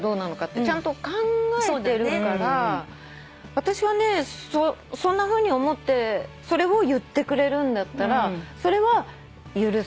私はねそんなふうに思ってそれを言ってくれるんだったらそれは許す。